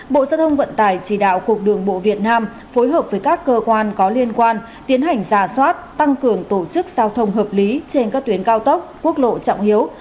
bộ giao thông vận tải chỉ đạo cục đường bộ việt nam phối hợp với các cơ quan có liên quan tiến hành giả soát tăng cường tổ chức giao thông hợp lý trên các tuyến cao tốc quốc lộ trọng hiếu